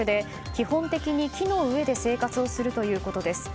基本的に、木の上で生活をするということです。